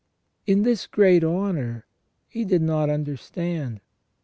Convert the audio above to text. — in this great honour he did not understand.